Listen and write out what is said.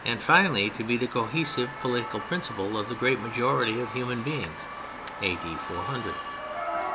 finally to be the cohesive political principle of the great majority of human beings (400 A.D.).